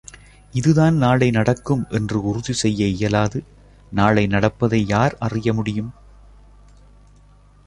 இதுதான் நாளை நடக்கும் என்று உறுதி செய்ய இயலாது நாளை நடப்பதை யார் அறிய முடியும்?